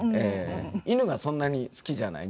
犬がそんなに好きじゃない苦手なんで。